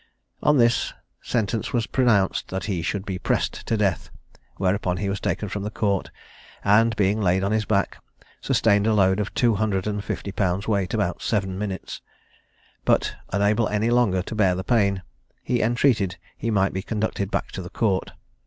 On this, sentence was pronounced that he should be pressed to death; whereupon he was taken from the Court, and, being laid on his back, sustained a load of two hundred and fifty pounds' weight about seven minutes; but, unable any longer to bear the pain, he entreated he might be conducted back to the Court.